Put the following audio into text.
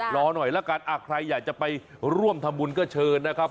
รอหน่อยละกันใครอยากจะไปร่วมทำบุญก็เชิญนะครับ